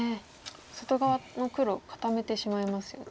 外側の黒固めてしまいますよね。